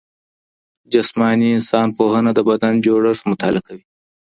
جسماني انسان پوهنه د بدن جوړښت مطالعه کوي.